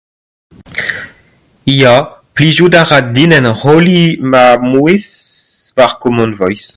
Ya, plijout a ra din enrolliñ ma mouezh war CommonVoice.